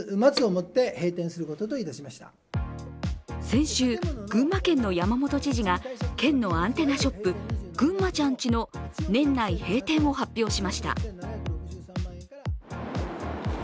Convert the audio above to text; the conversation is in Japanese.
先週、群馬県の山本知事が県のアンテナショップぐんまちゃん家の年内閉店を発表しました。